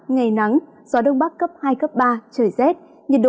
ngày nắng gió đông bắc cấp hai cấp ba trời rét nhiệt độ từ một mươi ba đến hai mươi hai độ